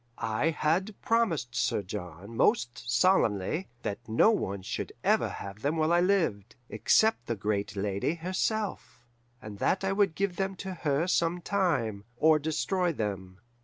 I had promised Sir John most solemnly that no one should ever have them while I lived, except the great lady herself, and that I would give them to her some time, or destroy them.